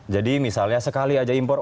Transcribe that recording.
jadi misalnya sekali aja impor